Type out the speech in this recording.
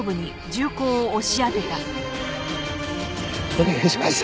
お願いします。